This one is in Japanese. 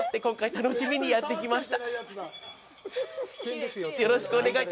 楽しみにやってきました。